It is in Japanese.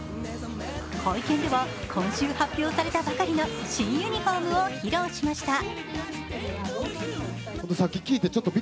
会見では今週発表されたばかりの新ユニフォームを披露しました。